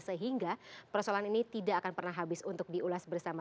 sehingga persoalan ini tidak akan pernah habis untuk diulas bersama